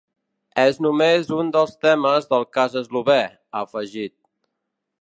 És només un dels temes del cas eslovè, ha afegit.